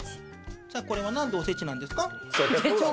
これは何でおせちなんですか？